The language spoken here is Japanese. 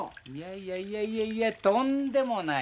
いやいやいやいやとんでもない。